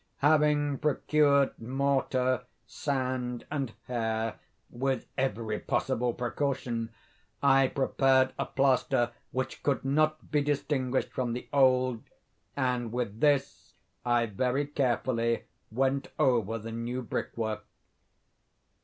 Having procured mortar, sand, and hair, with every possible precaution, I prepared a plaster which could not be distinguished from the old, and with this I very carefully went over the new brickwork.